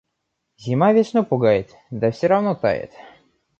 Зима весну пугает, да всё равно тает.